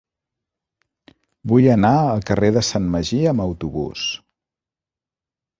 Vull anar al carrer de Sant Magí amb autobús.